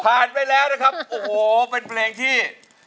ไปแล้วนะครับโอ้โหเป็นเพลงที่